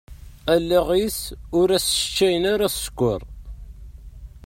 Allaɣ-is, ur as-sseččayen ara ssekker.